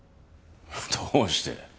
どうして？